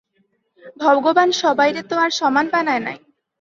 ভগবান সবাইরে তো সমান বানায় নাই।